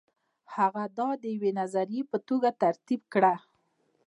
هغه دا د یوې نظریې په توګه ترتیب کړه.